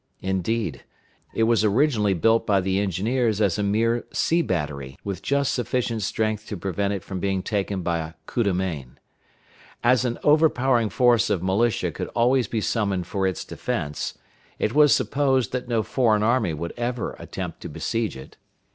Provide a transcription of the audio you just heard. Indeed, it was originally built by the engineers as a mere sea battery, with just sufficient strength to prevent it from being taken by a coup de main. As an overpowering force of militia could always be summoned for its defense, it was supposed that no foreign army would ever attempt to besiege it.